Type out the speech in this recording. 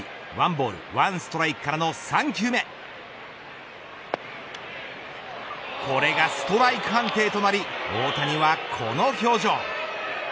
１ボール１ストライクからの３球目これがストライク判定となり大谷はこの表情。